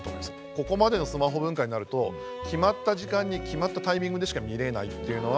ここまでのスマホ文化になると決まった時間に決まったタイミングでしか見れないっていうのは。